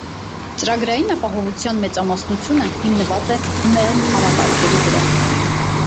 Ծրագրային ապահովվածության մեծամասնությունը հիմնված է «մեղմ» համակարգերի վրա։